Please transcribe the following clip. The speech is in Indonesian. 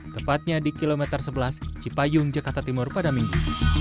tepatnya di kilometer sebelas cipayung jakarta timur pada minggu